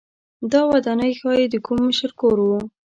دا ودانۍ ښايي د کوم مشر کور و